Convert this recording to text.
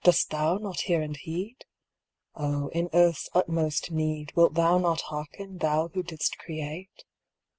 Dost Thou not hear and heed ? O, in Earth's utmost need Wilt Thou not hearken, Thou who didst create